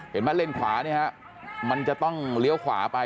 เห็นไหมเล็นขวาเนี่ยครับมันจะต้องเลี้ยวขวาไป